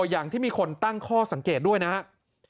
อย่างที่มีคนตั้งข้อสังเกตด้วยนะครับ